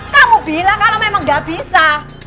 kamu bilang kalau memang nggak bisa